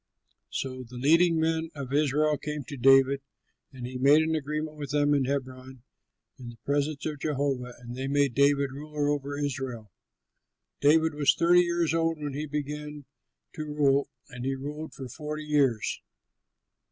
'" So all the leading men of Israel came to David, and he made an agreement with them in Hebron in the presence of Jehovah, and they made David ruler over Israel. David was thirty years old when he began to rule and he ruled forty years.